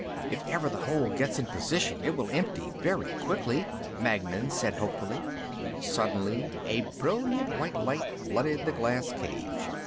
"If ever the hole gets in position it will empty very quickly," Magnan said, hopefully. Suddenly, a brilliant white light flooded the glass cage.